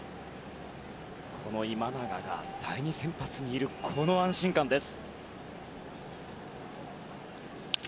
今永が第２先発にいるこの安心感です。